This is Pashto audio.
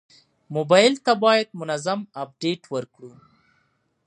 موبایل ته باید منظم اپډیټ ورکړو.